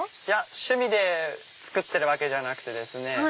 趣味で作ってるわけじゃなくてですね